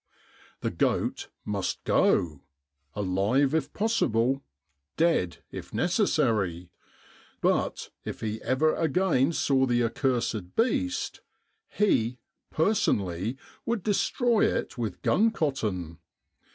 The goat must go — alive if possible ; dead if necessary — but if he ever again saw the accursed beast, he, personally, would destroy it with gun cotton.